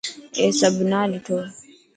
اي سڀ نا ڏٺو.